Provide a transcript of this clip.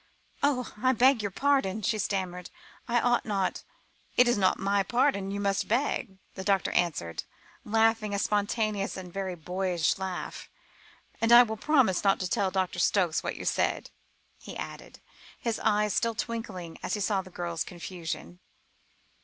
"Oh! I beg your pardon," she stammered. "I ought not " "It is not my pardon you must beg," the doctor answered, laughing a spontaneous, and very boyish laugh, "and I will promise not to tell Doctor Stokes what you said," he added, his eyes still twinkling as he saw the girl's confusion.